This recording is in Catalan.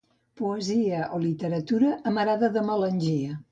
Poesia o literatura amarada de melangia.